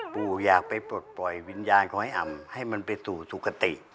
อยากไปปลดปล่อยวิญญาณของไอ้อ่ำให้มันไปสู่สุขติ